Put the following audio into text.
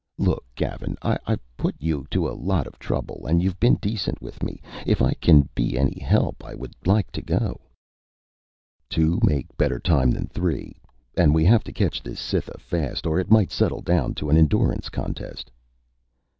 "Look, Gavin. I've put you to a lot of trouble and you've been decent with me. If I can be any help, I would like to go." "Two make better time than three. And we have to catch this Cytha fast or it might settle down to an endurance contest."